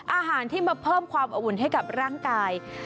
อาหารที่มาเพิ่มความอบอุ่นให้กับร่างกาย